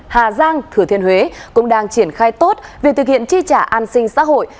hà giang thừa thiên huế cũng đang triển khai tốt việc thực hiện chi trả an sinh xã hội